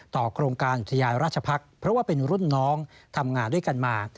โครงการอุทยานราชพักษ์เพราะว่าเป็นรุ่นน้องทำงานด้วยกันมา